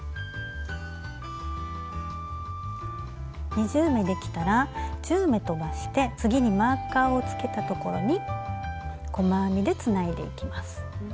２０目できたら１０目とばして次にマーカーをつけたところに細編みでつないでいきます。